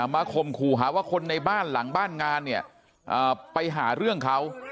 ข่มขู่หาว่าคนในบ้านหลังบ้านงานเนี่ยไปหาเรื่องเขา